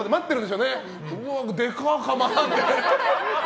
うわ、でかっ！って。